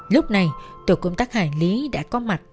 lúc này tổ công tác hải lý đã có mặt